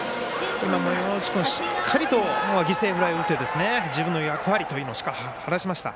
今も山内君しっかりと犠牲フライを打って自分の役割というのをしっかり果たしました。